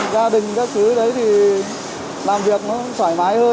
gia đình các thứ đấy thì làm việc nó thoải mái hơn